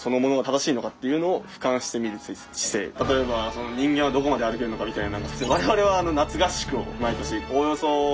例えば人間はどこまで歩けるのかみたいな。